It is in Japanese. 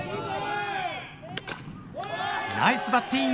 ナイスバッティング！